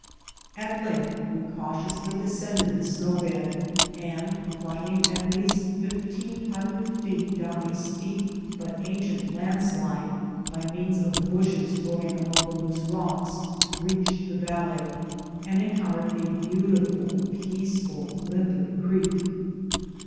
At length we cautiously descended the snow bed, and, climbing at least fifteen hundred feet down a steep but ancient land slide by means of the bushes growing among the loose rocks, reached the valley, and encountered a beautiful, peaceful, limpid creek.